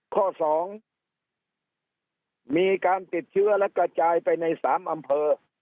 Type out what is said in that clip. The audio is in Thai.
ข้อ๒มีการติดเชื้อและกระจายไปใน๓อำเภอ